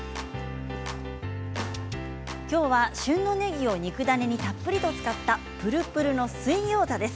きょうは旬のねぎを肉ダネにたっぷりと使ったぷるぷるの水ギョーザです。